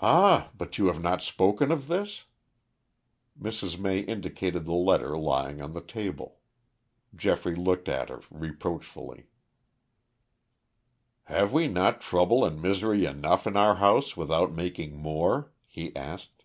"Ah, but you have not spoken of this?" Mrs. May indicated the letter lying on the table. Geoffrey looked at her reproachfully. "Have we not trouble and misery enough in our house without making more?" he asked.